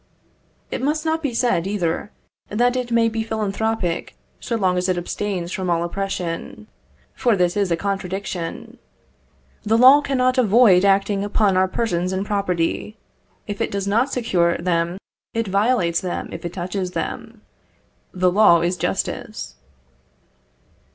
It must not be said, either, that it may be philanthropic, so long as it abstains from all oppression; for this is a contradiction. The law cannot avoid acting upon our persons and property; if it does not secure them, it violates them if it touches them. The law is justice.